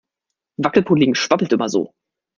Wackelpudding schwabbelt immer so.